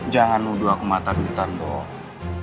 jangan nuduh aku mata duitan dong